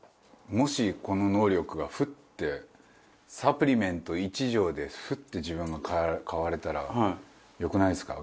もしこの能力がフッてサプリメント１錠でフッて自分が変われたらよくないですか？